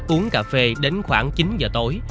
uống cà phê đến khoảng chín giờ tối